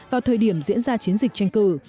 vào thời điểm diễn ra chiến dịch tranh cử